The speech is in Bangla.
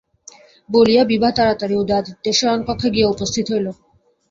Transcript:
বলিয়া বিভা তাড়াতাড়ি উদয়াদিত্যের শয়নকক্ষে গিয়া উপস্থিত হইল।